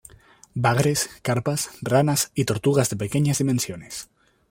Bagres, carpas, ranas y tortugas de pequeñas dimensiones.